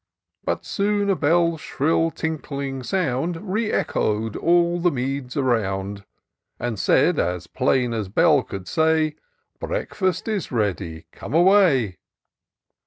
But soon a bell's shrill, tinkling sound Re echo'd all the meads around. And said, as plain as bell could say —" Breakfast is ready — come away."